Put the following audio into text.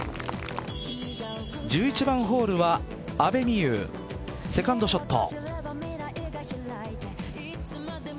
１１番ホールは阿部未悠セカンドショット。